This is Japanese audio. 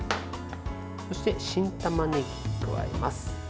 そして、新たまねぎを加えます。